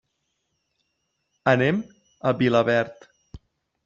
Anem a Vilaverd.